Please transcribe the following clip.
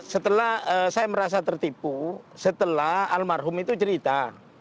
setelah saya merasa tertipu setelah almarhum itu cerita